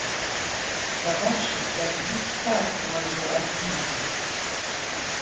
Я бачыла, як б'юць татку майго адзінага.